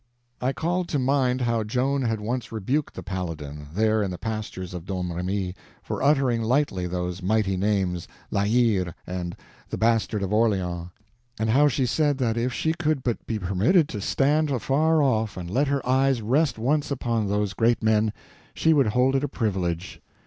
I called to mind how Joan had once rebuked the Paladin, there in the pastures of Domremy, for uttering lightly those mighty names, La Hire and the Bastard of Orleans, and how she said that if she could but be permitted to stand afar off and let her eyes rest once upon those great men, she would hold it a privilege.